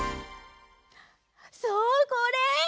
そうこれ。